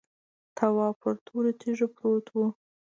تواب پر تورو تیږو پروت و.